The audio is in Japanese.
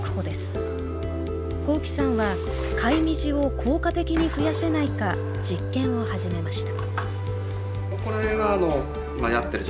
幸喜さんはカイミジを効果的に増やせないか実験を始めました